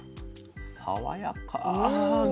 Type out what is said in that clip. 爽やか。